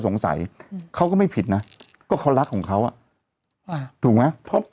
สงสัยเขาก็ไม่ผิดนะก็เขารักของเขาอ่ะอ่ะถูกนะเพราะ